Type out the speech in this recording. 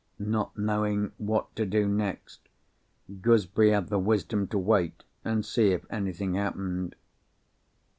Not knowing what to do next, Gooseberry had the wisdom to wait and see if anything happened.